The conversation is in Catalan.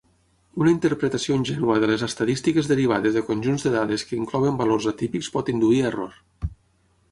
Una interpretació ingènua de les estadístiques derivades de conjunts de dades que inclouen valors atípics pot induir a error.